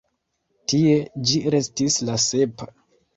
Tie ĝi restis la sepa.